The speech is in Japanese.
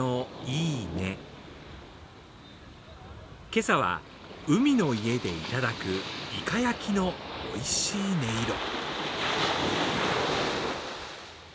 今朝は海の家でいただくイカ焼きのおいしい音色。